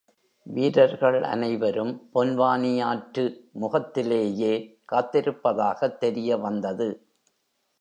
வீரர்கள் அனைவரும் பொன்வானியாற்று முகத்திலேயே காத்திருப்பதாகத் தெரிய வந்தது.